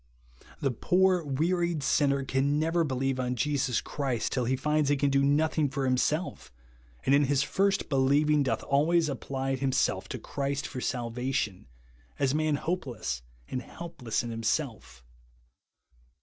The poor wearied sinner can never believe on Jesus Christ till he finds he can do no thing for himself, and in his first believing doth always apply himself to Christ for salvation, as a man hopeless and helpless in himself.